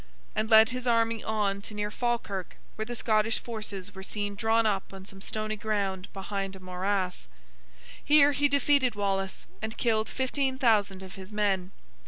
and led his army on to near Falkirk, where the Scottish forces were seen drawn up on some stony ground, behind a morass. Here, he defeated Wallace, and killed fifteen thousand of his men.